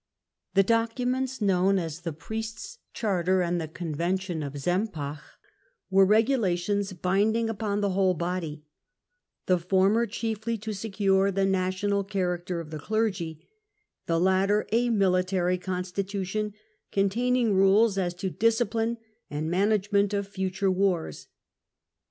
The docu ments known as the Priests' Charter and the Convention of Sempach were regulations binding upon the whole body ; the former chiefly to secure the national character of the clergy, the latter a military constitution contain ing rules as to discipline and management of future wars.